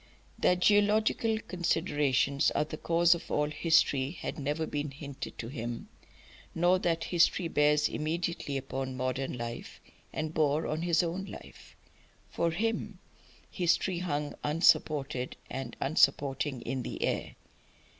That geographical considerations are the cause of all history had never been hinted to him, nor that history bears immediately upon modern life and bore on his own life. For him history hung unsupported and unsupporting in the air.